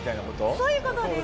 そういう事です。